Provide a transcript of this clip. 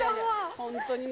本当にね。